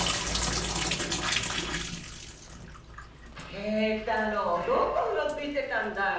平太郎どこうろついてたんだい。